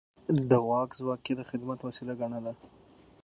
د واک ځواک يې د خدمت وسيله ګڼله.